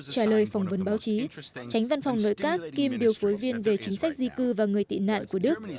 trả lời phỏng vấn báo chí tránh văn phòng nội các kim điều phối viên về chính sách di cư và người tị nạn của đức